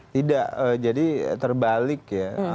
tidak jadi terbalik ya